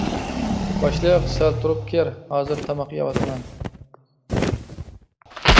باشلىق: سەل تۇرۇپ كىر، ھازىر تاماق يەۋاتىمەن.